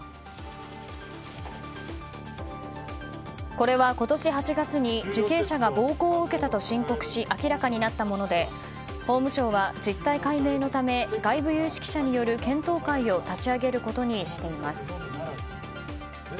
これは、今年８月に受刑者が暴行を受けたと申告し明らかになったもので法務省は実態解明のため外部有識者による検討会を立ち上げることにしています。